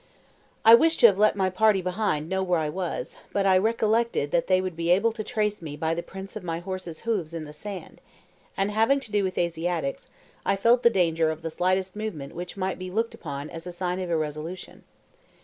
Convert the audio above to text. I wished to have let my party behind know where I was, but I recollected that they would be able to trace me by the prints of my horse's hoofs in the sand, and having to do with Asiatics, I felt the danger of the slightest movement which might be looked upon as a sign of irresolution.